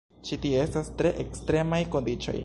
Ĉi tie estas tre ekstremaj kondiĉoj.